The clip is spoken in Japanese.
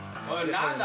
何だ？